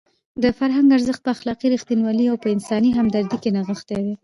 د فرهنګ ارزښت په اخلاقي رښتینولۍ او په انساني همدردۍ کې نغښتی دی.